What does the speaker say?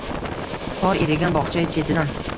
Qor erigan bog’cha chetidan